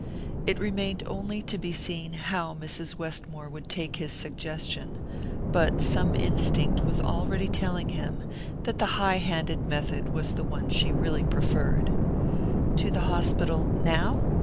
It remained only to be seen how Mrs. Westmore would take his suggestion; but some instinct was already telling him that the highhanded method was the one she really preferred. "To the hospital now?